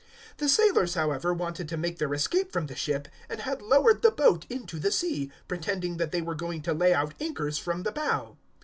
027:030 The sailors, however, wanted to make their escape from the ship, and had lowered the boat into the sea, pretending that they were going to lay out anchors from the bow.